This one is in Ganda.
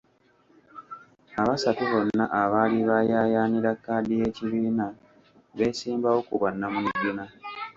Abasatu bonna abaali bayaayaanira kkaadi y’ekibiina beesimbawo ku bwannamunigina.